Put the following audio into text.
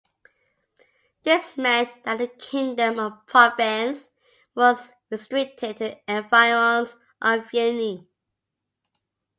This meant that the kingdom of Provence was restricted to the environs of Vienne.